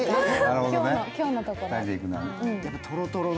今日のところの。